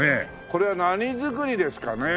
これは何造りですかね？